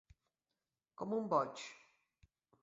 Com un boig.